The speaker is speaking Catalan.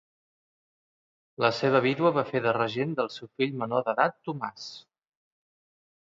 La seva vídua va fer de regent del seu fill menor d'edat Tomàs.